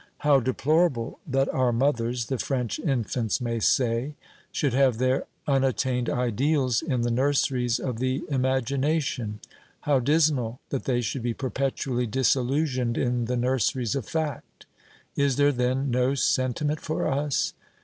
How deplorable that our mothers, the French infants may say, should have their unattained ideals in the nurseries of the imagination; how dismal that they should be perpetually disillusioned in the nurseries of fact! Is there then no sentiment for us?